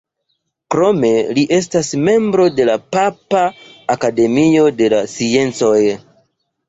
Krome li estas membro de la Papa Akademio de la sciencoj.